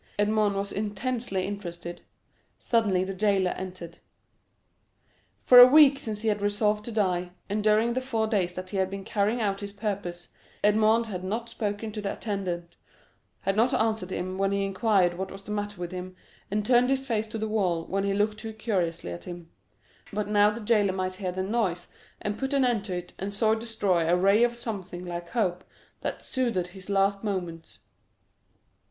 Edmond was intensely interested. Suddenly the jailer entered. For a week since he had resolved to die, and during the four days that he had been carrying out his purpose, Edmond had not spoken to the attendant, had not answered him when he inquired what was the matter with him, and turned his face to the wall when he looked too curiously at him; but now the jailer might hear the noise and put an end to it, and so destroy a ray of something like hope that soothed his last moments.